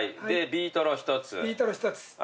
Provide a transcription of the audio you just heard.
でビーとろ１つ。